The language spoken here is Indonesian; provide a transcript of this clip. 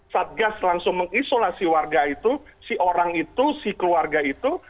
satgas langsung mengisolasi warga itu si orang itu si keluarga itu